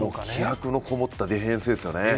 気迫のこもったディフェンスですよね。